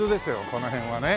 この辺はね。